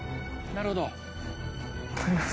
なるほど。